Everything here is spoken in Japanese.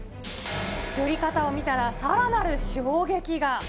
作り方を見たら、さらなる衝撃が。